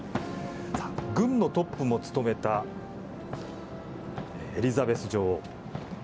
軍のトップも務めたエリザベス女王。